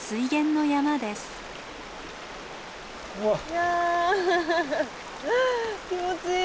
いや気持ちいい！